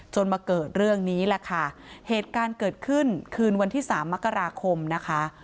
มาเกิดเรื่องนี้แหละค่ะเหตุการณ์เกิดขึ้นคืนวันที่สามมกราคมนะคะ